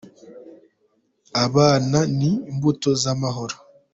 Abana ni imbuto z’amahoro